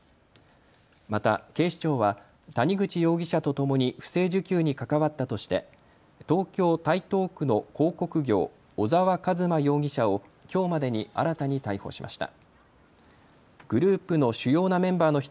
また警視庁は谷口容疑者とともに不正受給に関わったとして東京台東区の広告業小澤一真容疑者をきょうまでに新たに逮捕しました。